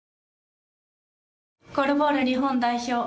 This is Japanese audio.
ゴールボール日本代表